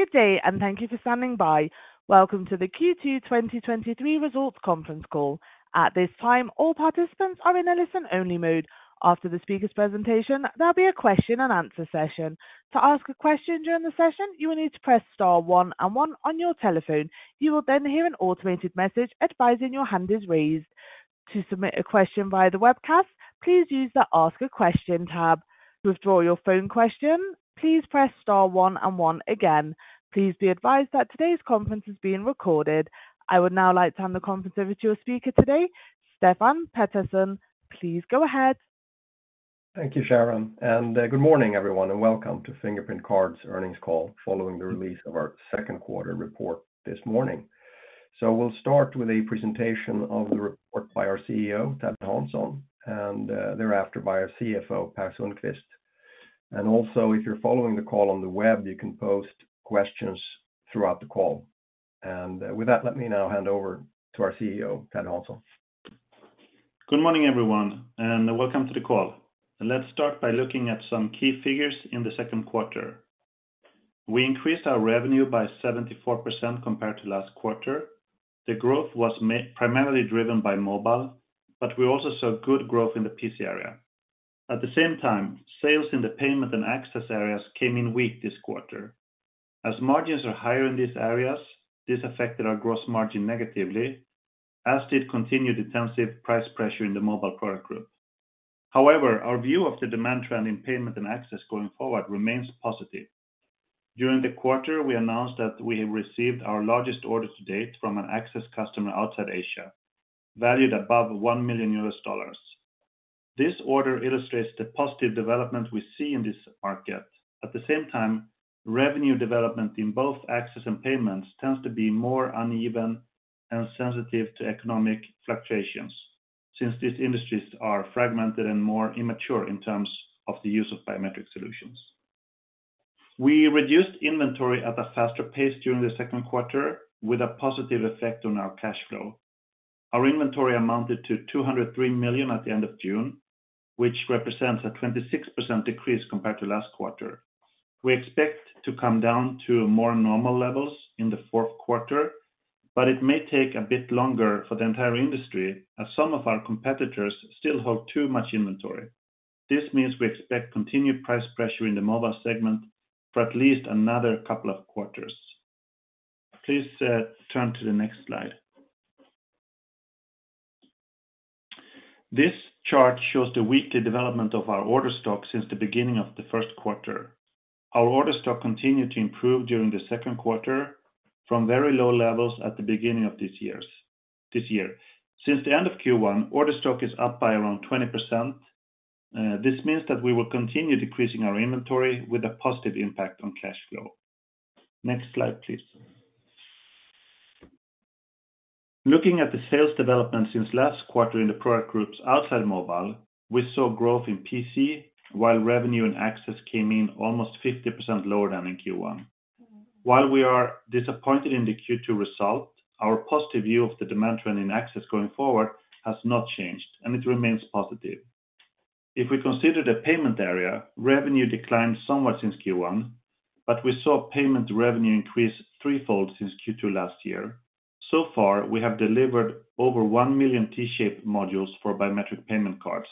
Good day. Thank you for standing by. Welcome to the Q2 2023 results conference call. At this time, all participants are in a listen-only mode. After the speaker's presentation, there'll be a question and answer session. To ask a question during the session, you will need to "press star one and one" on your telephone. You will hear an automated message advising your hand is raised. To submit a question via the webcast, please use the Ask a Question tab. To withdraw your phone question, "please press star one and one" again. Please be advised that today's conference is being recorded. I would now like to hand the conference over to our speaker today, Stefan Pettersson. Please go ahead. Thank you, Sharon, and good morning, everyone, and welcome to Fingerprint Cards Earnings Call, following the release of our second quarter report this morning. We'll start with a presentation of the report by our CEO, Ted Hansson, and thereafter by our CFO, Per Sundqvist. Also, if you're following the call on the web, you can post questions throughout the call. With that, let me now hand over to our CEO, Ted Hansson. Good morning, everyone, and welcome to the call. Let's start by looking at some key figures in the second quarter. We increased our revenue by 74% compared to last quarter. The growth was primarily driven by mobile, but we also saw good growth in the PC area. At the same time, sales in the payment and access areas came in weak this quarter. As margins are higher in these areas, this affected our gross margin negatively, as did continued intensive price pressure in the mobile product group. However, our view of the demand trend in payment and access going forward remains positive. During the quarter, we announced that we have received our largest order to date from an access customer outside Asia, valued above $1 million. This order illustrates the positive development we see in this market. At the same time, revenue development in both access and payments tends to be more uneven and sensitive to economic fluctuations, since these industries are fragmented and more immature in terms of the use of biometric solutions. We reduced inventory at a faster pace during the second quarter, with a positive effect on our cash flow. Our inventory amounted to 203 million at the end of June, which represents a 26% decrease compared to last quarter. We expect to come down to more normal levels in the fourth quarter, but it may take a bit longer for the entire industry, as some of our competitors still hold too much inventory. This means we expect continued price pressure in the mobile segment for at least another couple of quarters. Please turn to the next slide. This chart shows the weekly development of our order stock since the beginning of the first quarter. Our order stock continued to improve during the second quarter from very low levels at the beginning of this year. Since the end of Q1, order stock is up by around 20%. This means that we will continue decreasing our inventory with a positive impact on cash flow. Next slide, please. Looking at the sales development since last quarter in the product groups outside mobile, we saw growth in PC, while revenue and access came in almost 50% lower than in Q1. While we are disappointed in the Q2 result, our positive view of the demand trend in access going forward has not changed, and it remains positive. We consider the payment area, revenue declined somewhat since Q1, but we saw payment revenue increase 3-fold since Q2 last year. So far, we have delivered over 1 million T-Shape modules for biometric payment cards,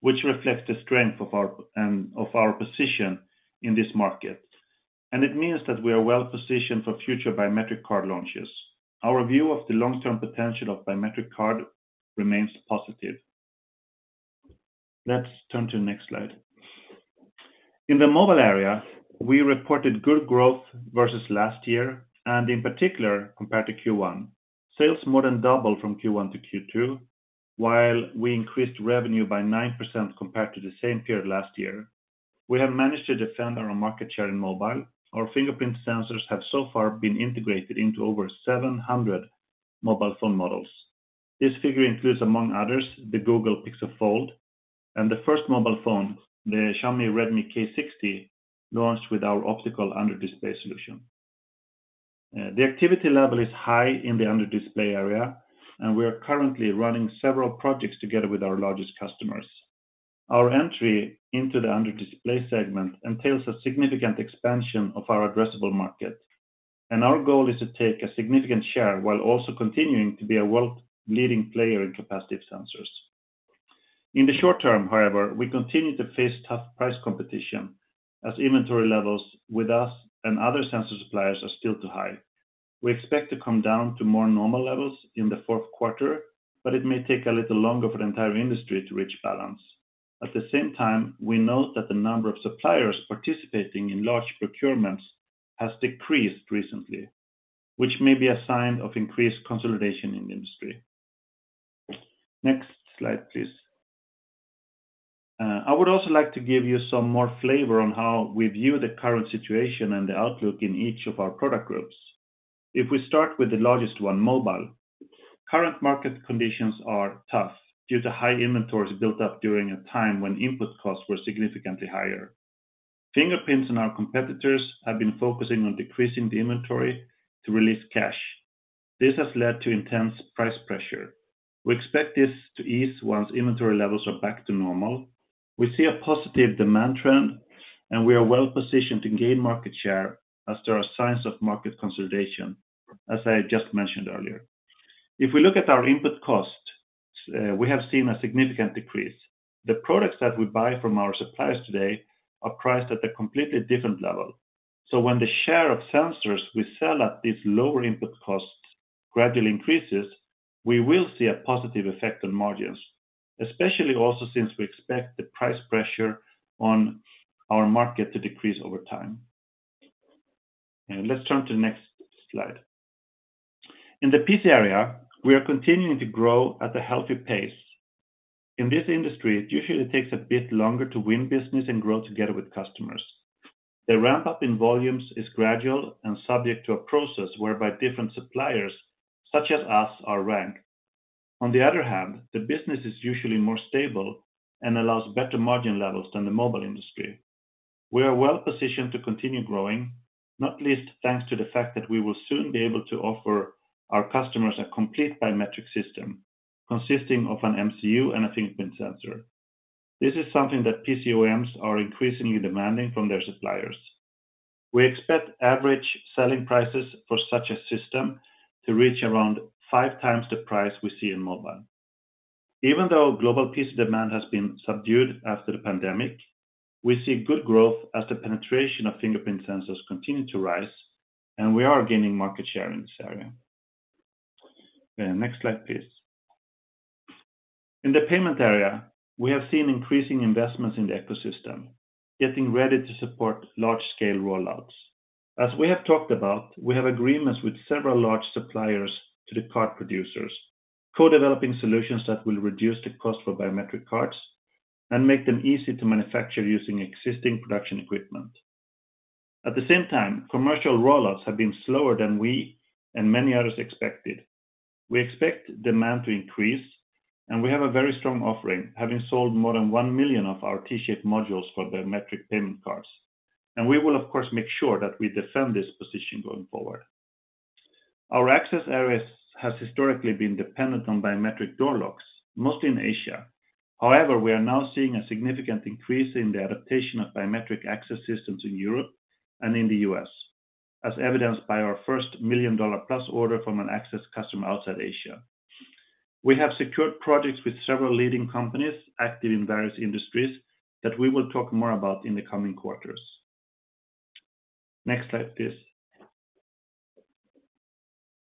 which reflect the strength of our position in this market, and it means that we are well-positioned for future biometric card launches. Our view of the long-term potential of biometric card remains positive. Let's turn to the next slide. In the mobile area, we reported good growth versus last year, and in particular, compared to Q1. Sales more than doubled from Q1 to Q2, while we increased revenue by 9% compared to the same period last year. We have managed to defend our market share in mobile. Our fingerprint sensors have so far been integrated into over 700 mobile phone models. This figure includes, among others, the Google Pixel Fold and the first mobile phone, the Xiaomi Redmi K60, launched with our optical under-display solution. The activity level is high in the under-display area, and we are currently running several projects together with our largest customers. Our entry into the under-display segment entails a significant expansion of our addressable market, and our goal is to take a significant share while also continuing to be a world-leading player in capacitive sensors. In the short term, however, we continue to face tough price competition as inventory levels with us and other sensor suppliers are still too high. We expect to come down to more normal levels in the fourth quarter, but it may take a little longer for the entire industry to reach balance. At the same time, we note that the number of suppliers participating in large procurements has decreased recently, which may be a sign of increased consolidation in the industry. Next slide, please. I would also like to give you some more flavor on how we view the current situation and the outlook in each of our product groups. If we start with the largest one, Mobile, current market conditions are tough due to high inventories built up during a time when input costs were significantly higher. Fingerprints and our competitors have been focusing on decreasing the inventory to release cash. This has led to intense price pressure. We expect this to ease once inventory levels are back to normal. We see a positive demand trend, and we are well positioned to gain market share as there are signs of market consolidation, as I just mentioned earlier. If we look at our input costs, we have seen a significant decrease. The products that we buy from our suppliers today are priced at a completely different level. When the share of sensors we sell at these lower input costs gradually increases, we will see a positive effect on margins, especially also since we expect the price pressure on our market to decrease over time. Let's turn to the next slide. In the PC area, we are continuing to grow at a healthy pace. In this industry, it usually takes a bit longer to win business and grow together with customers. The ramp-up in volumes is gradual and subject to a process whereby different suppliers, such as us, are ranked. On the other hand, the business is usually more stable and allows better margin levels than the mobile industry. We are well positioned to continue growing, not least, thanks to the fact that we will soon be able to offer our customers a complete biometric system, consisting of an MCU and a fingerprint sensor. This is something that PC OEMs are increasingly demanding from their suppliers. We expect average selling prices for such a system to reach around 5 times the price we see in mobile. Even though global PC demand has been subdued after the pandemic, we see good growth as the penetration of fingerprint sensors continue to rise, and we are gaining market share in this area. Next slide, please. In the payment area, we have seen increasing investments in the ecosystem, getting ready to support large-scale rollouts. As we have talked about, we have agreements with several large suppliers to the card producers, co-developing solutions that will reduce the cost for biometric cards and make them easy to manufacture using existing production equipment. At the same time, commercial rollouts have been slower than we and many others expected. We expect demand to increase, and we have a very strong offering, having sold more than 1 million of our T-Shape modules for biometric payment cards. We will, of course, make sure that we defend this position going forward. Our access areas has historically been dependent on biometric door locks, mostly in Asia. However, we are now seeing a significant increase in the adaptation of biometric access systems in Europe and in the U.S., as evidenced by our first $1 million+ order from an access customer outside Asia. We have secured projects with several leading companies active in various industries that we will talk more about in the coming quarters. Next slide, please.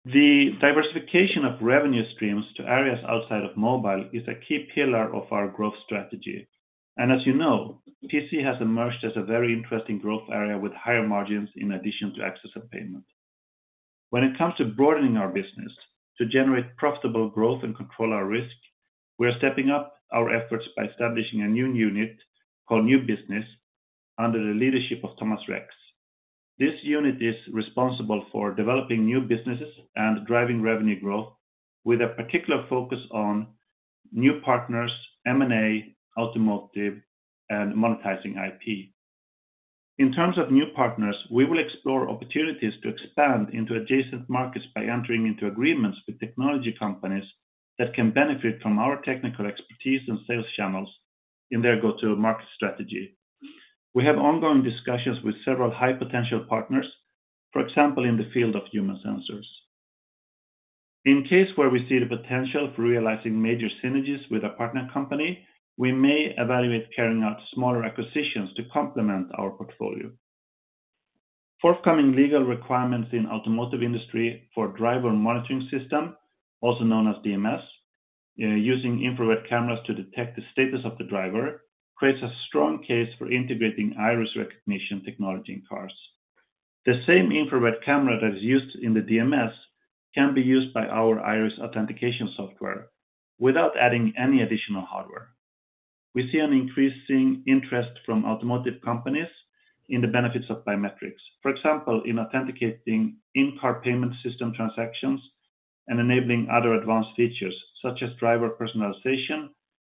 The diversification of revenue streams to areas outside of mobile is a key pillar of our growth strategy. As you know, PC has emerged as a very interesting growth area with higher margins in addition to access and payment. When it comes to broadening our business, to generate profitable growth and control our risk, we are stepping up our efforts by establishing a new unit called New Business under the leadership of Thomas Rex. This unit is responsible for developing new businesses and driving revenue growth with a particular focus on new partners, M&A, automotive, and monetizing IP. In terms of new partners, we will explore opportunities to expand into adjacent markets by entering into agreements with technology companies that can benefit from our technical expertise and sales channels in their go-to-market strategy. We have ongoing discussions with several high potential partners, for example, in the field of human sensors. In case where we see the potential for realizing major synergies with a partner company, we may evaluate carrying out smaller acquisitions to complement our portfolio. Forthcoming legal requirements in automotive industry for driver monitoring system, also known as DMS, using infrared cameras to detect the status of the driver, creates a strong case for integrating iris recognition technology in cars. The same infrared camera that is used in the DMS can be used by our iris authentication software without adding any additional hardware. We see an increasing interest from automotive companies in the benefits of biometrics, for example, in authenticating in-car payment system transactions and enabling other advanced features, such as driver personalization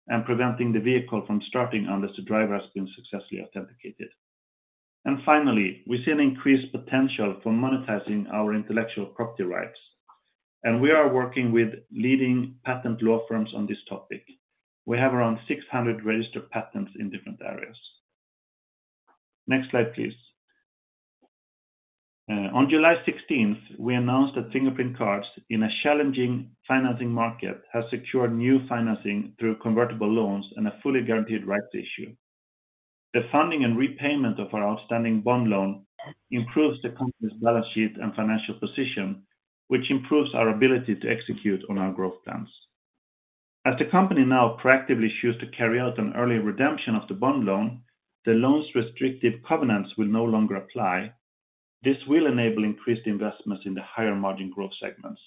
and preventing the vehicle from starting unless the driver has been successfully authenticated. Finally, we see an increased potential for monetizing our intellectual property rights, and we are working with leading patent law firms on this topic. We have around 600 registered patents in different areas. Next slide, please. On July 16th, we announced that Fingerprint Cards, in a challenging financing market, has secured new financing through convertible loans and a fully guaranteed rights issue. The funding and repayment of our outstanding bond loan improves the company's balance sheet and financial position, which improves our ability to execute on our growth plans. As the company now proactively choose to carry out an early redemption of the bond loan, the loan's restrictive covenants will no longer apply. This will enable increased investments in the higher-margin growth segments.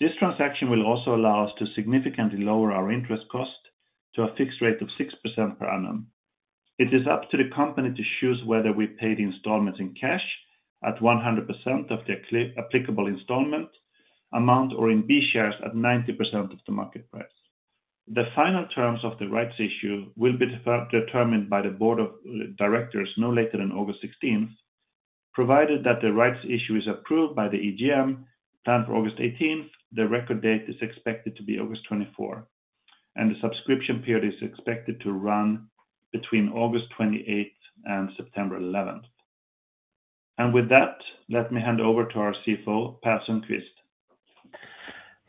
This transaction will also allow us to significantly lower our interest cost to a fixed rate of 6% per annum. It is up to the company to choose whether we pay the installments in cash at 100% of the applicable installment amount or in B shares at 90% of the market price. The final terms of the rights issue will be determined by the board of directors no later than August 16th, provided that the rights issue is approved by the EGM, planned for August 18th. The record date is expected to be August 24, and the subscription period is expected to run between August 28 and September 11th. With that, let me hand over to our CFO, Per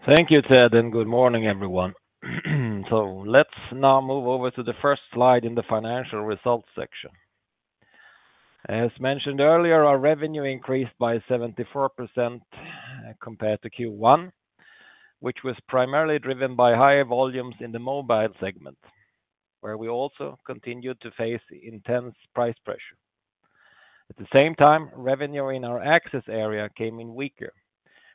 Sundqvist. Thank you, Ted. Good morning, everyone. Let's now move over to the first slide in the financial results section. As mentioned earlier, our revenue increased by 74% compared to Q1, which was primarily driven by higher volumes in the mobile segment, where we also continued to face intense price pressure. At the same time, revenue in our access area came in weaker,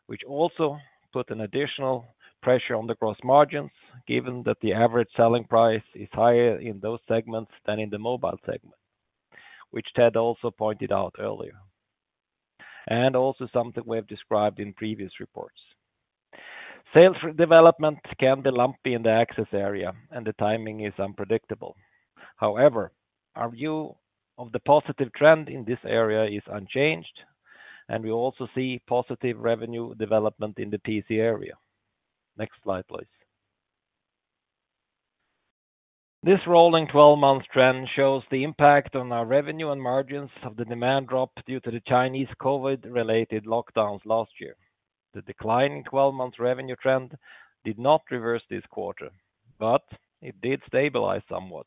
which also put an additional pressure on the gross margins, given that the average selling price is higher in those segments than in the mobile segment, which Ted also pointed out earlier, also something we have described in previous reports. Sales development can be lumpy in the access area. The timing is unpredictable. However, our view of the positive trend in this area is unchanged. We also see positive revenue development in the PC area. Next slide, please. This rolling 12-month trend shows the impact on our revenue and margins of the demand drop due to the Chinese COVID-related lockdowns last year. The decline in 12-month revenue trend did not reverse this quarter, but it did stabilize somewhat,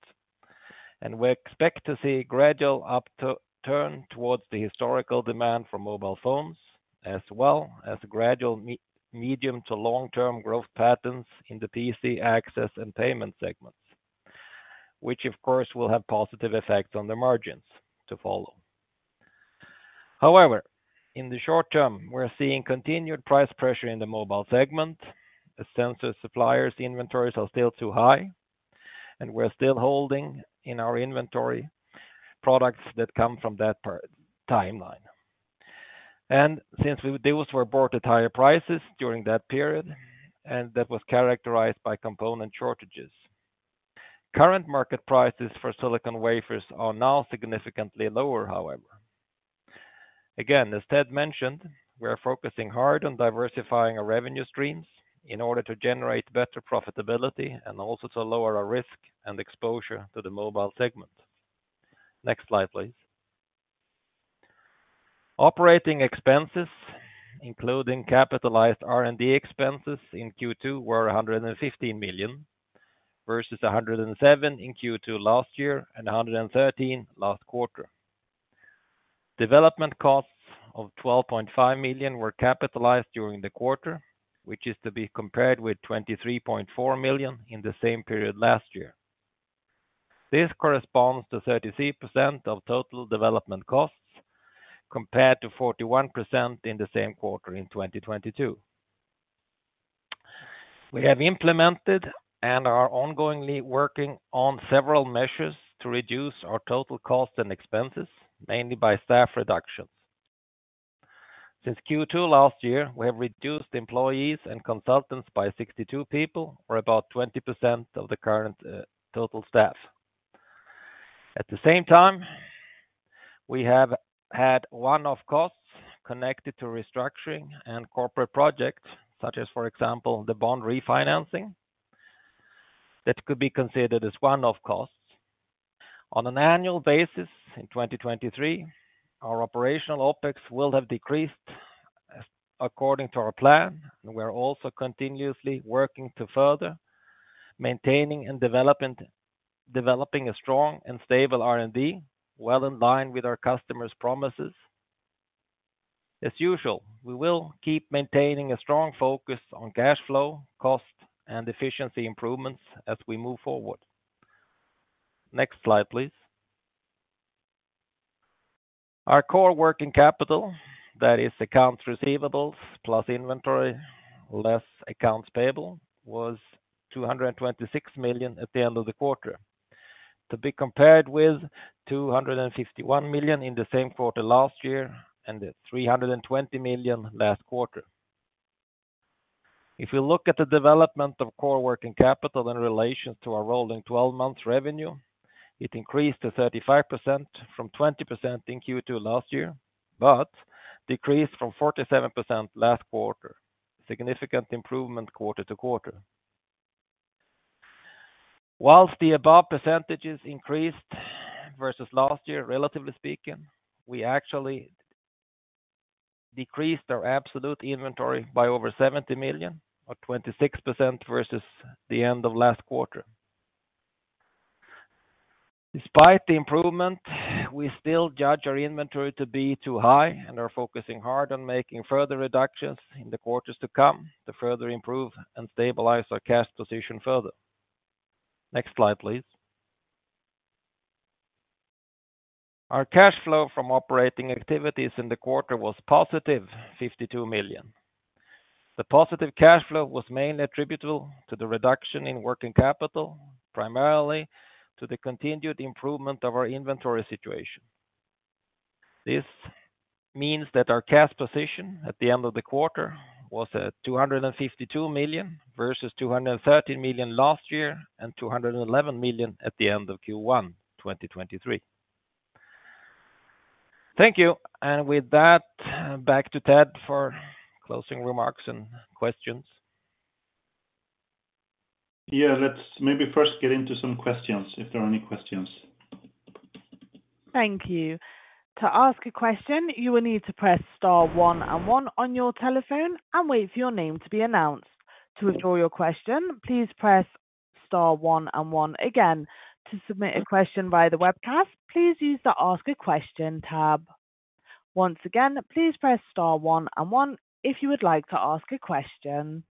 and we expect to see gradual upturn towards the historical demand for mobile phones, as well as gradual medium to long-term growth patterns in the PC access and payment segments, which, of course, will have positive effects on the margins to follow. However, in the short term, we're seeing continued price pressure in the mobile segment. Since the suppliers, the inventories are still too high, and we're still holding in our inventory products that come from that per timeline. Those were bought at higher prices during that period, and that was characterized by component shortages. Current market prices for silicon wafers are now significantly lower, however. As Ted mentioned, we are focusing hard on diversifying our revenue streams in order to generate better profitability and also to lower our risk and exposure to the mobile segment. Next slide, please. Operating expenses, including capitalized R&D expenses in Q2, were 115 million versus 107 in Q2 last year and 113 last quarter. Development costs of 12.5 million were capitalized during the quarter, which is to be compared with 23.4 million in the same period last year. This corresponds to 33% of total development costs, compared to 41% in the same quarter in 2022. We have implemented and are ongoingly working on several measures to reduce our total costs and expenses, mainly by staff reductions. Since Q2 last year, we have reduced employees and consultants by 62 people, or about 20% of the current total staff. At the same time, we have had one-off costs connected to restructuring and corporate projects, such as, for example, the bond refinancing, that could be considered as one-off costs. On an annual basis, in 2023, our operational OpEx will have decreased according to our plan, and we are also continuously working to further maintaining and developing a strong and stable R&D, well in line with our customers' promises. As usual, we will keep maintaining a strong focus on cash flow, cost, and efficiency improvements as we move forward. Next slide, please. Our core working capital, that is, accounts receivables plus inventory, less accounts payable, was 226 million at the end of the quarter, to be compared with 251 million in the same quarter last year and 320 million last quarter. If you look at the development of core working capital in relation to our rolling 12-month revenue, it increased to 35% from 20% in Q2 last year, but decreased from 47% last quarter. Significant improvement quarter-to-quarter. The above percentages increased versus last year, relatively speaking, we actually decreased our absolute inventory by over 70 million or 26% versus the end of last quarter. Despite the improvement, we still judge our inventory to be too high and are focusing hard on making further reductions in the quarters to come to further improve and stabilize our cash position further. Next slide, please. Our cash flow from operating activities in the quarter was positive, 52 million. The positive cash flow was mainly attributable to the reduction in working capital, primarily to the continued improvement of our inventory situation. This means that our cash position at the end of the quarter was at 252 million, versus 213 million last year, and 211 million at the end of Q1 2023. Thank you. With that, back to Ted for closing remarks and questions. Yeah, let's maybe first get into some questions, if there are any questions. Thank you. To ask a question, you will need to "press star one and one" on your telephone and wait for your name to be announced. To withdraw your question, "please press star one and one" again. To submit a question via the webcast, please use the Ask a Question tab. Once again, please "press star one and one" if you would like to ask a question.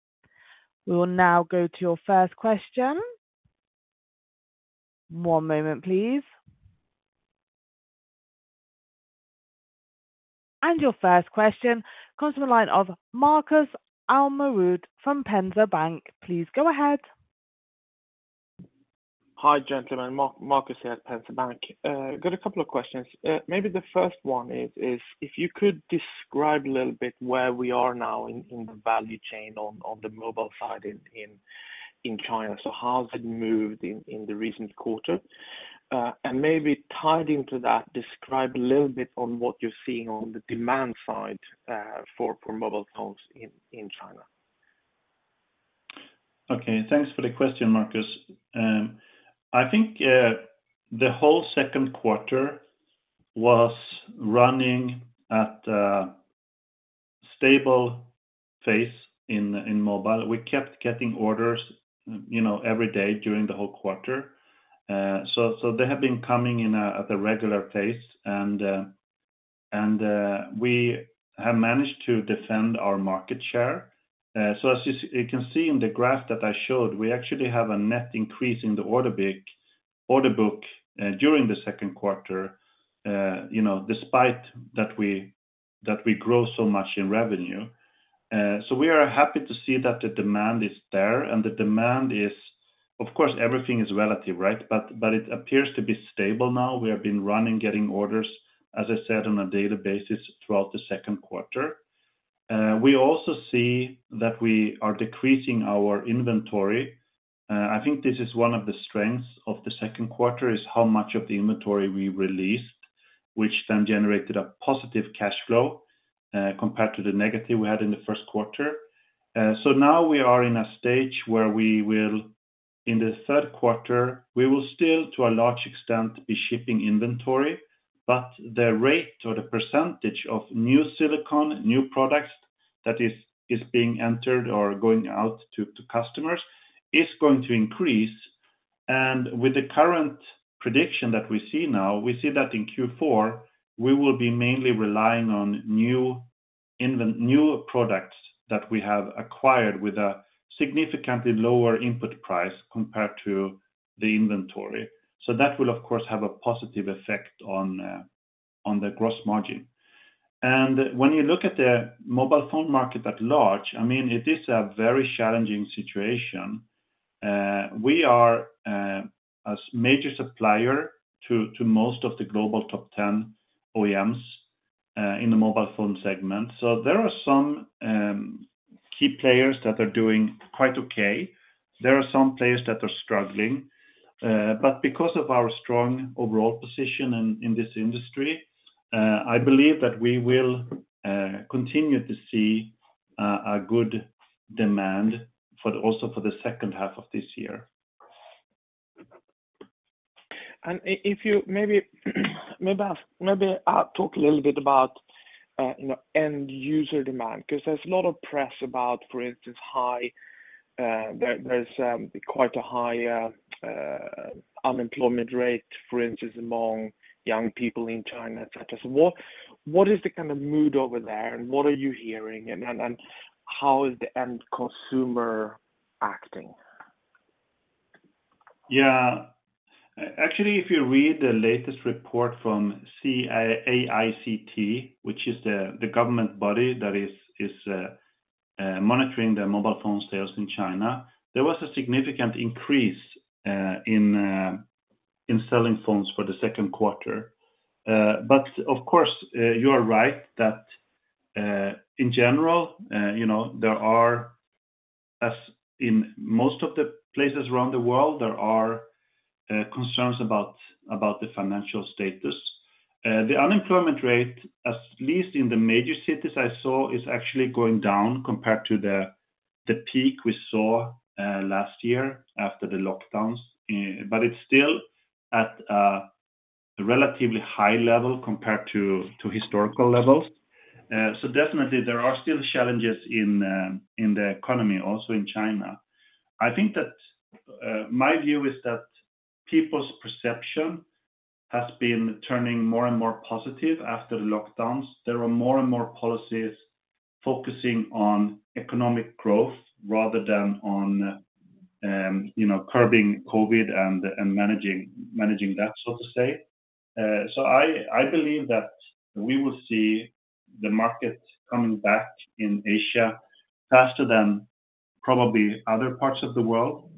We will now go to your first question. One moment, please. Your first question comes from the line of Markus Almerud from Erik Penser Bank. Please go ahead. Hi, gentlemen. Markus here at Erik Penser Bank. Got a couple of questions. Maybe the first one is if you could describe a little bit where we are now in the value chain on the mobile side in, in China. How has it moved in the recent quarter? Maybe tied into that, describe a little bit on what you're seeing on the demand side, for mobile phones in China. Okay, thanks for the question, Marcus. I think the whole second quarter was running at a stable pace in mobile. We kept getting orders, you know, every day during the whole quarter. They have been coming in at a regular pace, and we have managed to defend our market share. As you can see in the graph that I showed, we actually have a net increase in the order book during the second quarter, you know, despite that we, that we grow so much in revenue. We are happy to see that the demand is there, and the demand is, of course, everything is relative, right? It appears to be stable now. We have been running, getting orders, as I said, on a daily basis throughout the second quarter. We also see that we are decreasing our inventory. I think this is one of the strengths of the second quarter, is how much of the inventory we released, which then generated a positive cash flow, compared to the negative we had in the first quarter. Now we are in a stage where we will, in the third quarter, we will still, to a large extent, be shipping inventory, but the rate or the percentage of new silicon, new products that is being entered or going out to customers is going to increase. With the current prediction that we see now, we see that in Q4, we will be mainly relying on new products that we have acquired with a significantly lower input price compared to the inventory. That will, of course, have a positive effect on the gross margin. When you look at the mobile phone market at large, I mean, it is a very challenging situation. We are a major supplier to most of the global top 10 OEMs in the mobile phone segment. There are some key players that are doing quite okay. There are some players that are struggling, but because of our strong overall position in this industry, I believe that we will continue to see a good demand for the also for the second half of this year. If you maybe I'll talk a little bit about, you know, end user demand, because there's a lot of press about, for instance, high, there's quite a high unemployment rate, for instance, among young people in China, et cetera. What is the kind of mood over there, and what are you hearing, and how is the end consumer acting? Actually, if you read the latest report from CAICT, which is the government body that is monitoring the mobile phone sales in China, there was a significant increase in selling phones for the second quarter. Of course, you are right that in general, you know, there are, as in most of the places around the world, there are concerns about the financial status. The unemployment rate, at least in the major cities I saw, is actually going down compared to the peak we saw last year after the lockdowns. It's still at a relatively high level compared to historical levels. Definitely there are still challenges in the economy, also in China. I think that my view is that people's perception has been turning more and more positive after the lockdowns. There are more and more policies focusing on economic growth rather than on, you know, curbing COVID and managing that, so to say. I believe that we will see the market coming back in Asia faster probably other parts of the world.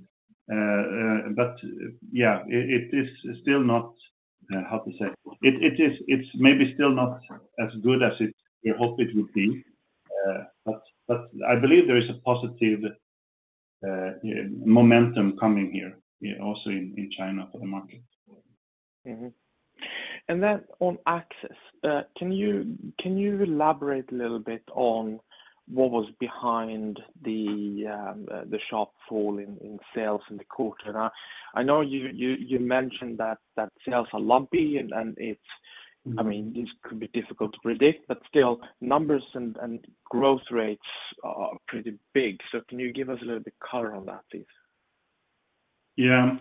Yeah, it is still not how to say? It's maybe still not as good as it we hope it would be, I believe there is a positive momentum coming here, also in China for the market. Then on access, can you elaborate a little bit on what was behind the sharp fall in sales in the quarter? I know you mentioned that sales are lumpy. I mean, this could be difficult to predict, but still, numbers and growth rates are pretty big. Can you give us a little bit color on that, please? Yeah.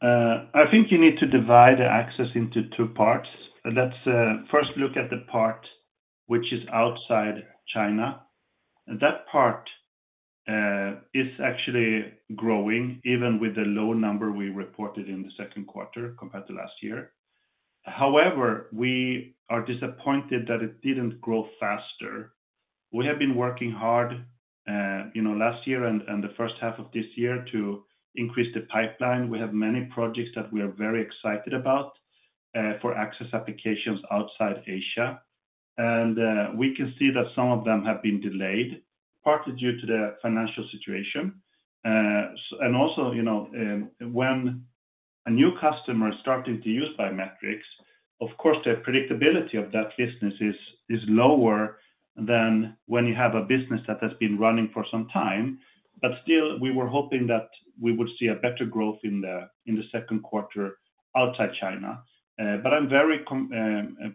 I think you need to divide the access into two parts. Let's first look at the part which is outside China. That part is actually growing, even with the low number we reported in the second quarter compared to last year. However, we are disappointed that it didn't grow faster. We have been working hard, you know, last year and the first half of this year to increase the pipeline. We have many projects that we are very excited about, for access applications outside Asia. We can see that some of them have been delayed, partly due to the financial situation. Also, you know, when a new customer is starting to use biometrics, of course, the predictability of that business is lower than when you have a business that has been running for some time. Still, we were hoping that we would see a better growth in the second quarter outside China. I'm very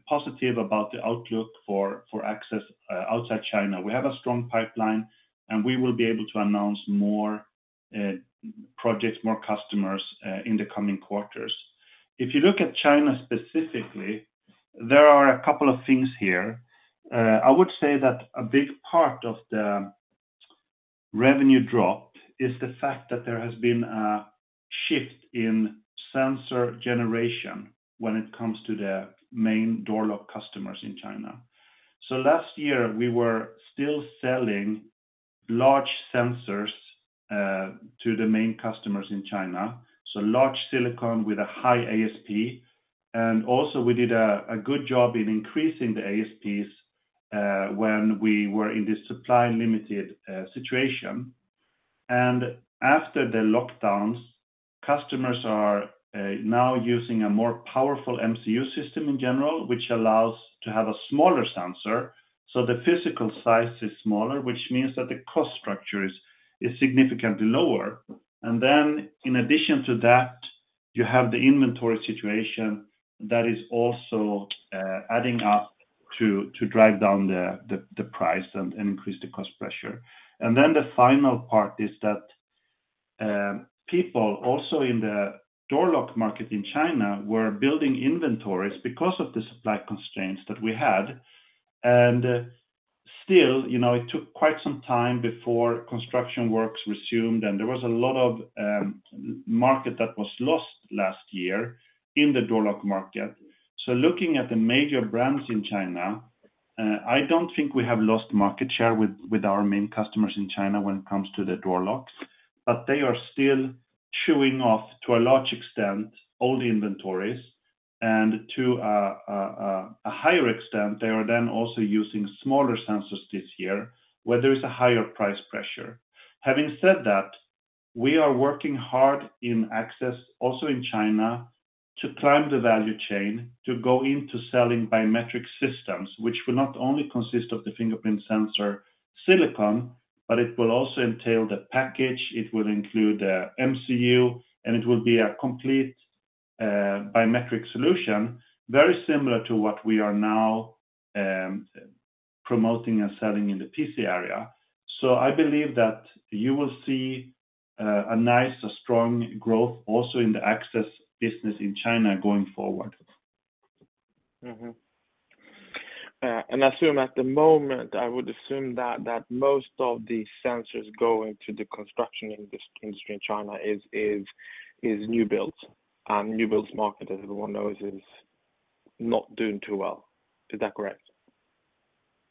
positive about the outlook for access outside China. We have a strong pipeline, and we will be able to announce more projects, more customers in the coming quarters. If you look at China specifically, there are a couple of things here. I would say that a big part of the revenue drop is the fact that there has been a shift in sensor generation when it comes to the main door lock customers in China. Last year, we were still selling large sensors to the main customers in China, so large silicon with a high ASP. We did a good job in increasing the ASPs when we were in this supply limited situation. After the lockdowns, customers are now using a more powerful MCU system in general, which allows to have a smaller sensor, so the physical size is smaller, which means that the cost structure is significantly lower. In addition to that, you have the inventory situation that is also adding up to drive down the price and increase the cost pressure. The final part is that people also in the door lock market in China were building inventories because of the supply constraints that we had. Still, you know, it took quite some time before construction works resumed, and there was a lot of market that was lost last year in the door lock market. Looking at the major brands in China, I don't think we have lost market share with our main customers in China when it comes to the door locks, but they are still chewing off, to a large extent, all the inventories, and to a higher extent, they are then also using smaller sensors this year, where there is a higher price pressure. Having said that, we are working hard in access, also in China, to climb the value chain, to go into selling biometric systems, which will not only consist of the fingerprint sensor silicon, but it will also entail the package, it will include the MCU, and it will be a complete biometric solution, very similar to what we are now promoting and selling in the PC area. I believe that you will see a nice, a strong growth also in the access business in China going forward. I assume at the moment, I would assume that most of the sensors going to the construction industry in China is new builds, and new builds market, as everyone knows, is not doing too well. Is that correct?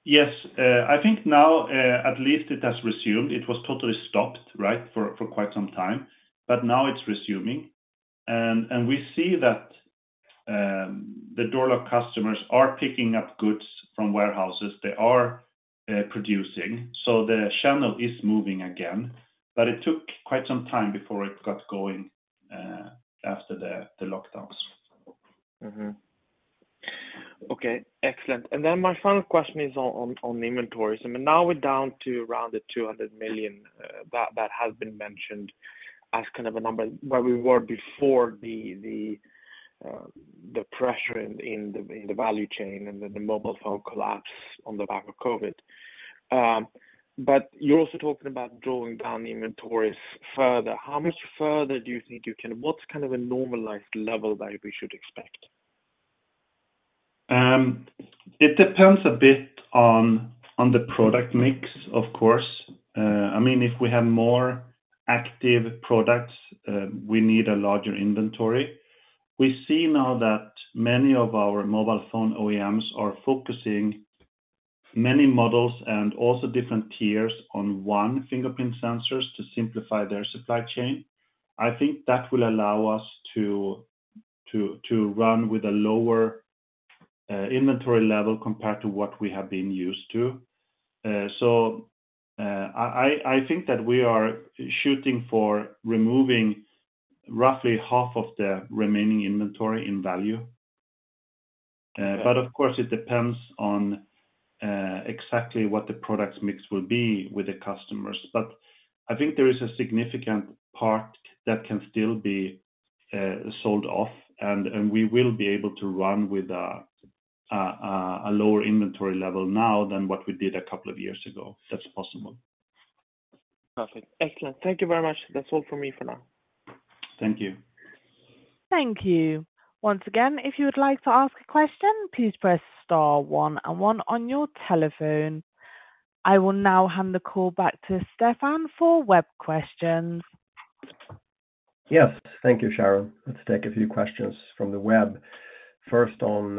Yes. I think now, at least it has resumed. It was totally stopped, right? For quite some time, but now it's resuming. We see that the door lock customers are picking up goods from warehouses. They are producing, so the channel is moving again, but it took quite some time before it got going, after the lockdowns. Okay, excellent. My final question is on inventories. I mean, now we're down to around 200 million that has been mentioned as kind of a number where we were before the pressure in the value chain and then the mobile phone collapse on the back of COVID. You're also talking about drawing down the inventories further. How much further do you think you can? What's kind of a normalized level that we should expect? n the product mix, of course. I mean, if we have more active products, we need a larger inventory. We see now that many of our mobile phone OEMs are focusing many models and also different tiers on one fingerprint sensors to simplify their supply chain. I think that will allow us to run with a lower inventory level compared to what we have been used to. I think that we are shooting for removing roughly half of the remaining inventory in value. But of course, it depends on exactly what the product mix will be with the customers. I think there is a significant part that can still be sold off, and we will be able to run with a lower inventory level now than what we did a couple of years ago. That's possible. Perfect. Excellent. Thank you very much. That's all from me for now. Thank you. Thank you. Once again, if you would like to ask a question, "please press star one and one" on your telephone. I will now hand the call back to Stefan for web questions. Yes, thank you, Sharon. Let's take a few questions from the web. First, on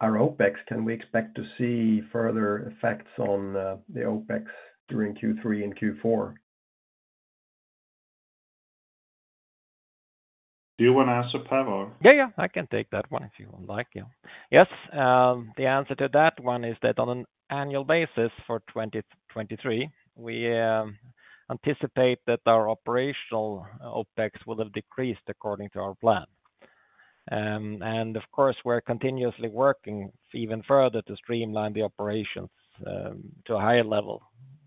our OpEx, can we expect to see further effects on the OpEx during Q3 and Q4? Do you want to answer, Per? Yeah, yeah, I can take that one if you would like. Yeah. Yes, the answer to that one is that on an annual basis for 2023, we anticipate that our operational OpEx will have decreased according to our plan. Of course, we're continuously working even further to streamline the operations to a higher level,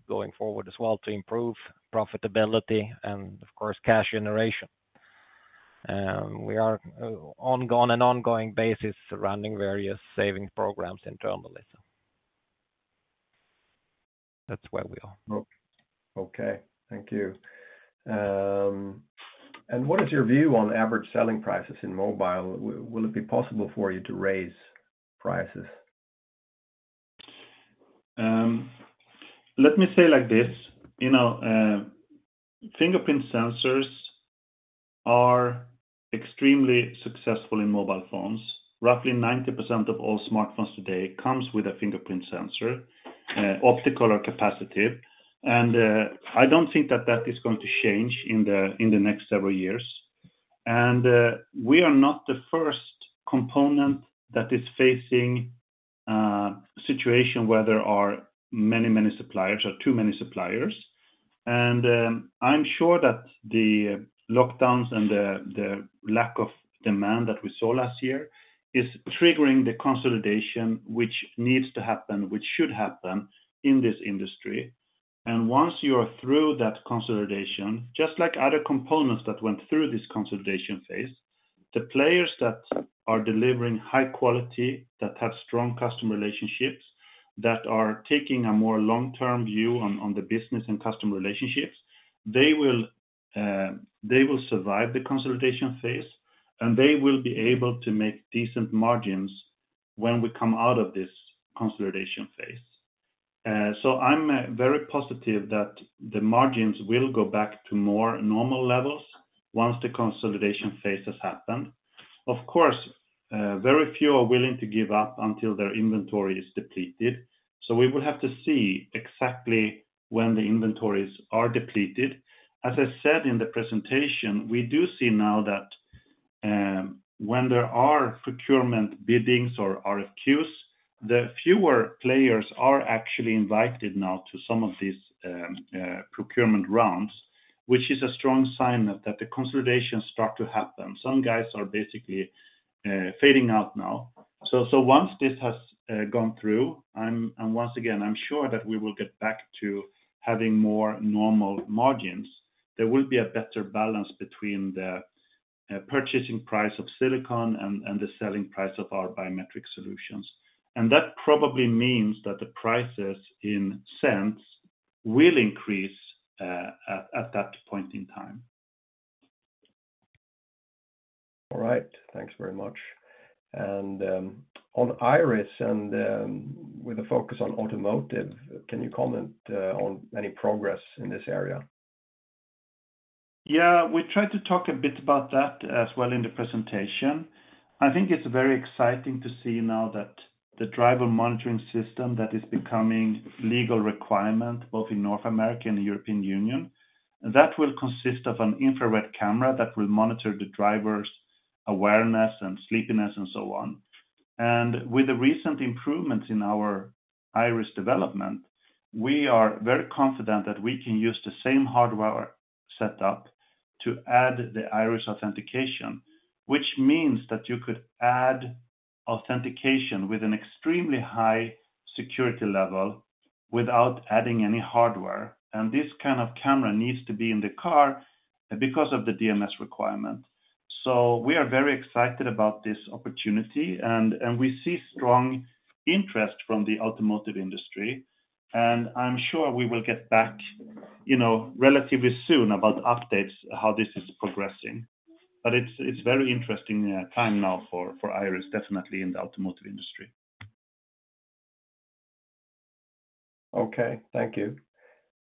going forward as well to improve profitability and, of course, cash generation. We are ongoing, an ongoing basis, running various saving programs internally. That's where we are. Okay. Thank you. What is your view on average selling prices in mobile? Will it be possible for you to raise prices? Let me say like this, you know, fingerprint sensors are extremely successful in mobile phones. Roughly 90% of all smartphones today comes with a fingerprint sensor, optical or capacitive. I don't think that that is going to change in the next several years. We are not the first component that is facing situation where there are many, many suppliers or too many suppliers. I'm sure that the lockdowns and the lack of demand that we saw last year is triggering the consolidation, which needs to happen, which should happen in this industry. Once you are through that consolidation, just like other components that went through this consolidation phase, the players that are delivering high quality, that have strong customer relationships, that are taking a more long-term view on the business and customer relationships, they will survive the consolidation phase, and they will be able to make decent margins when we come out of this consolidation phase. I'm very positive that the margins will go back to more normal levels once the consolidation phase has happened. Of course, very few are willing to give up until their inventory is depleted, so we will have to see exactly when the inventories are depleted. As I said in the presentation, we do see now that when there are procurement biddings or RFQs, the fewer players are actually invited now to some of these procurement rounds, which is a strong sign that the consolidation start to happen. Some guys are basically fading out now. Once this has gone through, once again, I'm sure that we will get back to having more normal margins. There will be a better balance between the purchasing price of silicon and the selling price of our biometric solutions. That probably means that the prices in cents will increase at that point in time. All right. Thanks very much. On iris and with a focus on automotive, can you comment on any progress in this area? We tried to talk a bit about that as well in the presentation. I think it's very exciting to see now that the driver monitoring system that is becoming legal requirement, both in North America and the European Union, that will consist of an infrared camera that will monitor the driver's awareness and sleepiness and so on. With the recent improvements in our iris development, we are very confident that we can use the same hardware setup to add the iris authentication, which means that you could add authentication with an extremely high security level without adding any hardware. This kind of camera needs to be in the car because of the DMS requirement. We are very excited about this opportunity, and we see strong interest from the automotive industry, and I'm sure we will get back, you know, relatively soon about updates, how this is progressing. It's very interesting time now for iris, definitely in the automotive industry. Okay, thank you.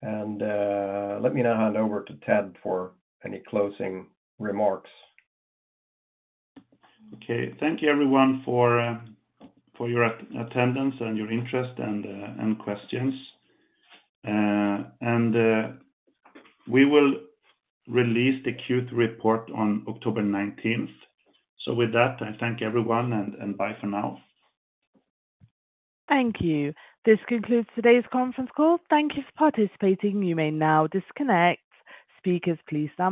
Let me now hand over to Ted for any closing remarks. Okay. Thank you, everyone, for your attendance and your interest and questions. We will release the Q3 report on October 19th. With that, I thank everyone, and bye for now. Thank you. This concludes today's conference call. Thank you for participating. You may now disconnect. Speakers, please stand by.